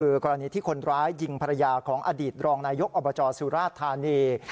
คือกรณีที่คนร้ายยิงภรรยาของอดีตรองนายกอบจสุราชธานี